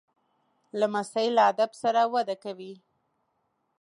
لمسی له ادب سره وده کوي.